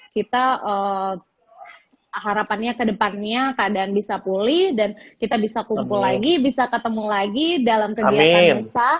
kita harapannya ke depannya keadaan bisa pulih dan kita bisa kumpul lagi bisa ketemu lagi dalam kegiatan misal